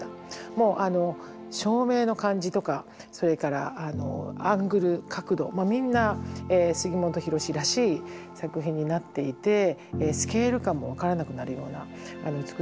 もう照明の感じとかそれからアングル角度みんな杉本博司らしい作品になっていてスケール感も分からなくなるような美しい写真のシリーズ。